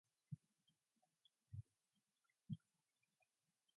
She is buried in Saint Brelade's Church with her partner Suzanne Malherbe.